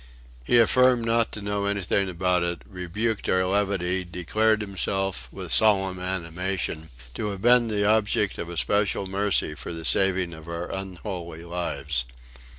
He affirmed not to know anything about it, rebuked our levity, declared himself, with solemn animation, to have been the object of a special mercy for the saving of our unholy lives.